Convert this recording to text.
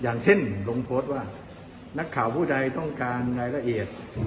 อย่างเช่นลงโพสต์ว่านักข่าวผู้ใดต้องการรายละเอียด